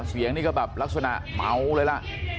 เสียงนี่ก็แบบลักษณะเมาเลยล่ะ